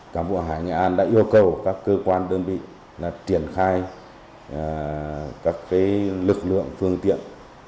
cảng vụ hải nghệ an đã yêu cầu các cơ quan đơn vị triển khai các lực lượng phương tiện